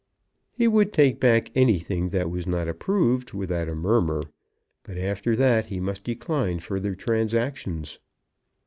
He would take back anything that was not approved without a murmur; but after that he must decline further transactions.